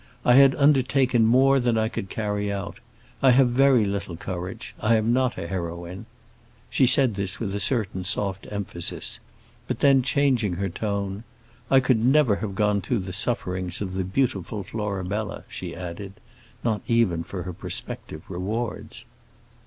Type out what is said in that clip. "I had undertaken more than I could carry out. I have very little courage; I am not a heroine." She said this with a certain soft emphasis; but then, changing her tone, "I could never have gone through the sufferings of the beautiful Florabella," she added, not even for her prospective rewards.